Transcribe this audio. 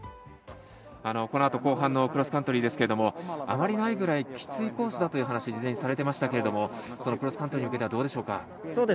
このあと後半のクロスカントリーですけれどもあまりないぐらいきついコースだという話を事前にされてましたけどクロスカントリーに向けてはどうでしょう。